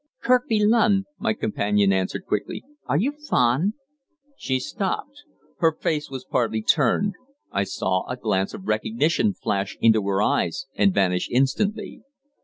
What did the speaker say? "Kirkby Lunn," my companion answered quickly. "Are you fond " She stopped. Her face was partly turned. I saw a glance of recognition flash into her eyes and vanish instantly.